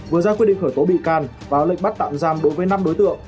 vừa ra quyết định khởi tố bị can và lệnh bắt tạm giam đối với năm đối tượng